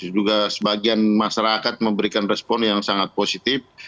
juga sebagian masyarakat memberikan respon yang sangat positif